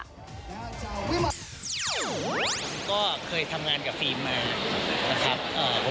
ผมก็เคยทำงานกับฟิล์มมานะครับ